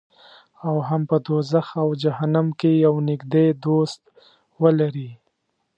او هم په دوزخ او جهنم کې یو نږدې دوست ولري.